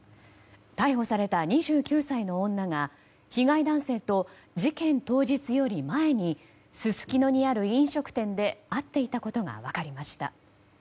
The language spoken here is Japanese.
逮捕された２９歳の女が被害男性と、事件当日より前にすすきのにある飲食店で会っていたことが分かりました。